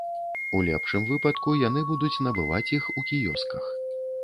У лепшым выпадку яны будуць набываць іх у кіёсках.